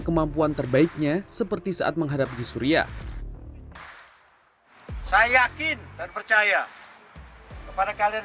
kemampuan terbaiknya seperti saat menghadapi syria saya yakin dan percaya kepada kalian